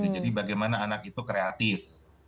jadi bagaimana anak itu kreatif